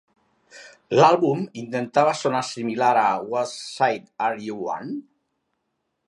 L'àlbum intentava sonar similar a "Whose Side Are You On?".